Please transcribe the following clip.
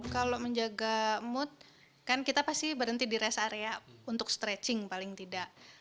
kalau menjaga mood kan kita pasti berhenti di rest area untuk stretching paling tidak